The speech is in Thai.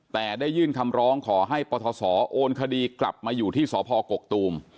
แต่ได้ยื่นคำร้องขอให้ปทศโอนคดีกลับมาอยู่ที่สพกกตูม